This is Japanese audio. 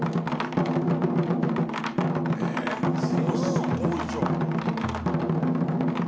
すごいじゃん。